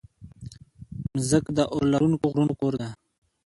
مځکه د اورلرونکو غرونو کور ده.